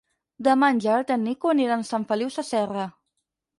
Demà en Gerard i en Nico aniran a Sant Feliu Sasserra.